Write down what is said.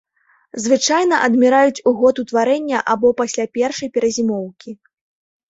Звычайна адміраюць у год утварэння або пасля першай перазімоўкі.